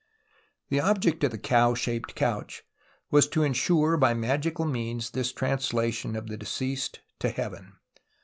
The object of the cow shaj)ed couch was to ensure by magical means this translation of the deceased to heaven.